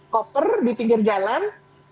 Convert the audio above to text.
kopar di pinggir jalan